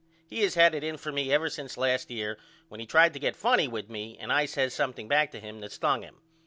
He has had it in for me ever since last year when he tried to get funny with me and I says something back to him that stung him.